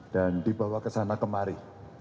dan dibawa ke sana kemari